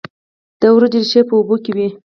د وریجو ریښې په اوبو کې وي.